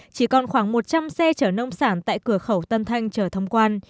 chỉ còn khoảng một trăm linh xe chở nông sản tại cửa khẩu tân thanh chở thông quan